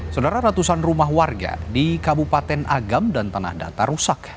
saudara ratusan rumah warga di kabupaten agam dan tanah datar rusak